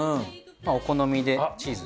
お好みでチーズ。